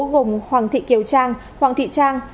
gồm hoàng thị kiều trang hoàng thị trang